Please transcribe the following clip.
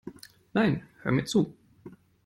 Nein, hör mir zu!